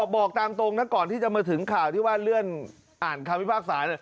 บอกตามตรงนะก่อนที่จะมาถึงข่าวที่ว่าเลื่อนอ่านคำพิพากษา